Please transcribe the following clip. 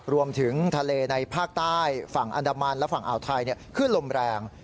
รวมถึงทะเลในภาคใต้ฝั่งอันดามันและฝั่งอ่าวไทยขึ้นลมแรง